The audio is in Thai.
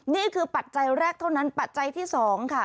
นี่คือปัจจัยแรกเท่านั้นปัจจัยที่สองค่ะ